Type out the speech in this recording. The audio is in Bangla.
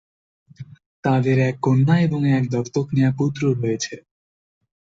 তাদের এক কন্যা এবং এক দত্তক নেওয়া পুত্র রয়েছে।